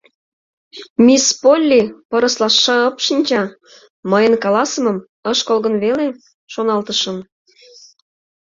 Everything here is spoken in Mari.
Мисс Полли пырысла шы-ып шинча, мыйын каласымым ыш кол гын веле, шоналтышым.